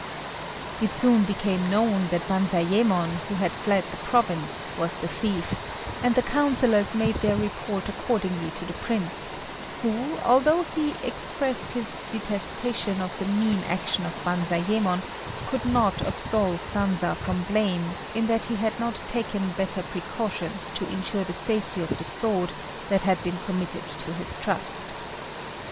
] It soon became known that Banzayémon, who had fled the province, was the thief; and the councillors made their report accordingly to the Prince, who, although he expressed his detestation of the mean action of Banzayémon, could not absolve Sanza from blame, in that he had not taken better precautions to insure the safety of the sword that had been committed to his trust.